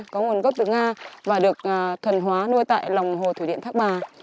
có nguồn gốc từ nga và được thuần hóa nuôi tại lòng hồ thủy điện thác bà